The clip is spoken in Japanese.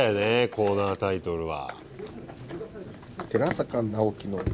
コーナータイトルは。